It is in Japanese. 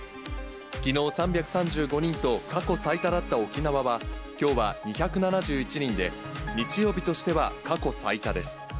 きのう３３５人と、過去最多だった沖縄は、きょうは２７１人で、日曜日としては過去最多です。